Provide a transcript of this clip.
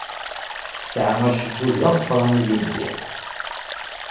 Tesɛa acebbub d ameqqṛan ilindi.